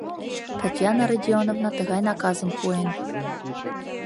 — Татьяна Родионовна тыгай наказым пуэн.